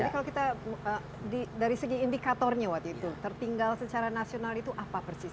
ini kalau kita dari segi indikatornya waktu itu tertinggal secara nasional itu apa persis